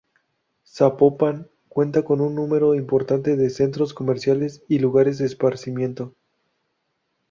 Zapopan cuenta con un número importante de centros comerciales y lugares esparcimiento.